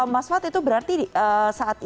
mas fad itu berarti saat ini